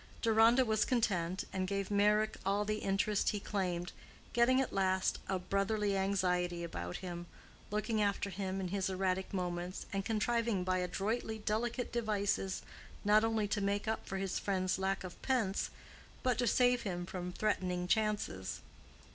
Deronda was content, and gave Meyrick all the interest he claimed, getting at last a brotherly anxiety about him, looking after him in his erratic moments, and contriving by adroitly delicate devices not only to make up for his friend's lack of pence, but to save him from threatening chances.